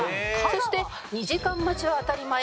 そして２時間待ちは当たり前！